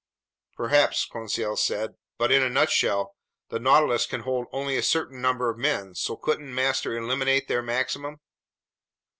"Perhaps," Conseil said, "but in a nutshell, the Nautilus can hold only a certain number of men, so couldn't master estimate their maximum?"